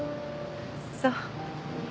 そう。